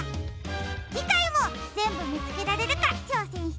じかいもぜんぶみつけられるかちょうせんしてみてね！